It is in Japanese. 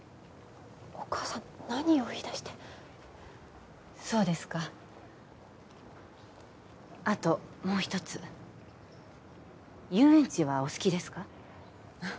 お母さん何を言いだしてそうですかあともう一つ遊園地はお好きですか？